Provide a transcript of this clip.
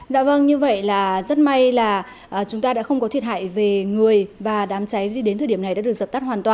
dạ vâng như vậy là rất may là chúng ta đã không có thiệt hại về người và đám cháy đến thời điểm này đã được dập tắt hoàn toàn